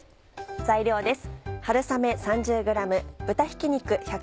材料です。